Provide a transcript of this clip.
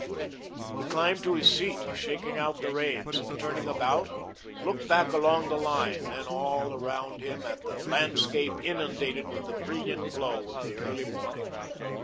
He climbed to his seat, shaking out the reins, and turning about, looked back along the line, then all around him at the landscape inundated with the brilliant glow of the early morning.